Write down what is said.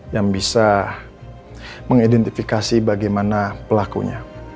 yang bisa mengidentifikasi bagaimana pelakunya